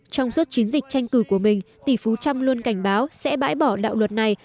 trong suốt chiến dịch tranh cử của mình tỷ phú trump luôn cảnh báo sẽ bãi bỏ đạo luật này